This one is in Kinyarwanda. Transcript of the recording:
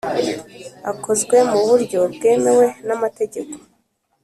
akozwe mu buryo bwemewe n amategeko